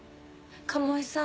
鴨居さん。